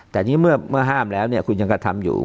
แต่นี่เมื่อห้ามแล้วเนี่ยคุณยังกระทำอยู่